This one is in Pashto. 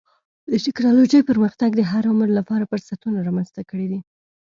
د ټکنالوجۍ پرمختګ د هر عمر لپاره فرصتونه رامنځته کړي دي.